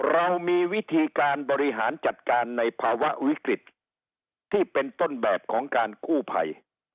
เรามีวิธีการบริหารจัดการในภาวะวิกฤตที่เป็นต้นแบบของการกู้ภัย